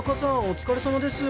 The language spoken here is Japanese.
お疲れさまです